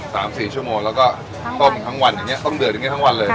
สามสี่ชั่วโมงแล้วก็ต้มทั้งวันอย่างเงี้ต้องเดือดอย่างเงี้ทั้งวันเลย